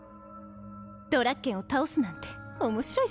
ドラッケンを倒すなんて面白いじゃない。